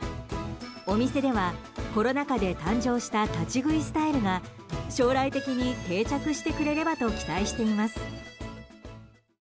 お店では、コロナ禍で誕生した立ち食いスタイルが将来的に定着してくれればと期待しています。